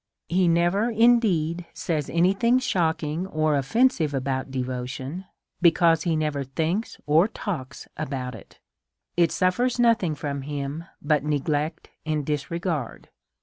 He never, indeed, says anything shockmg or offen sive about devotion, because he never thinks or talks about it. It suffers nothing from him but neglect and disregard.